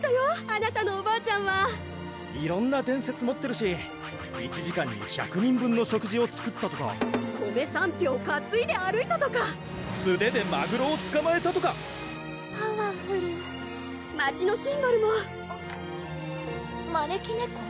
あなたのおばあちゃんは色んな伝説持ってるし１時間に１００人分の食事を作ったとか米３俵かついで歩いたとか素手でマグロをつかまえたとかパワフル町のシンボルもまねき猫？